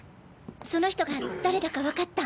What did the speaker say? その人が誰だかわかった？